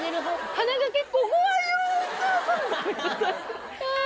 鼻が結構怖いよ。